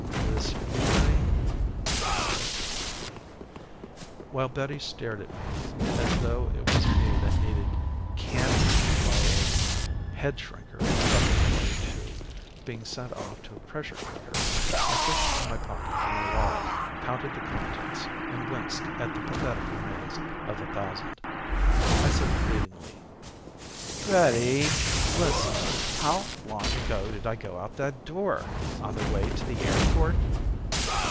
"This morning," I said weakly. While Betty stared at me as though it was me that needed candling by a head shrinker preparatory to being sent off to a pressure cooker, I fished in my pocket for my wallet, counted the contents and winced at the pathetic remains of the thousand. I said pleadingly, "Betty, listen, how long ago did I go out that door on the way to the airport?"